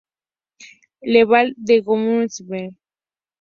Le Val-de-Gouhenans